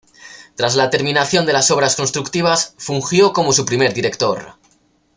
Tras la terminación de las obras constructivas, fungió como su primer director.